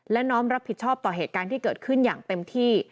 และน้อมรับผิดชอบต่อเหตุการณ์ที่เกิดขึ้นอย่างเต็มที่